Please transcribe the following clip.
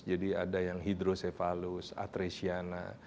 jadi ada yang hidrosefalus atresiana